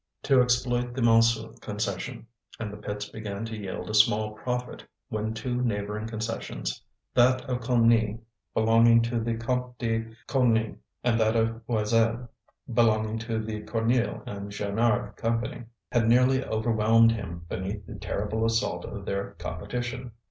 to exploit the Montsou concession, and the pits began to yield a small profit when two neighbouring concessions, that of Cougny, belonging to the Comte de Cougny, and that of Joiselle, belonging to the Cornille and Jenard Company, had nearly overwhelmed him beneath the terrible assault of their competition.